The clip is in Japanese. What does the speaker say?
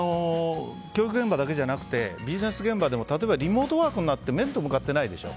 教育現場だけじゃなくてビジネス現場でも例えばリモートワークになって面と向かってないでしょ。